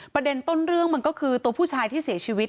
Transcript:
ประเด็นต้นเรื่องมันก็คือตัวผู้ชายที่เสียชีวิต